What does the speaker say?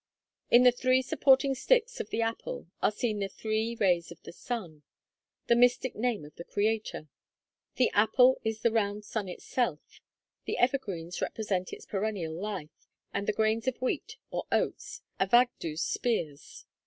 In the three supporting sticks of the apple are seen the three rays of the sun, /|\, the mystic Name of the Creator; the apple is the round sun itself; the evergreens represent its perennial life; and the grains of wheat, or oats, Avagddu's spears.